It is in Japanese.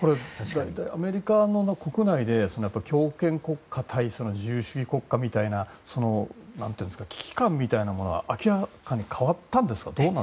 アメリカの国内で強権国家対自由主義国家みたいな危機感みたいなものは明らかに変わったんですか？